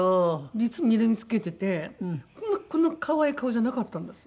いつもにらみつけててこんな可愛い顔じゃなかったんですよ。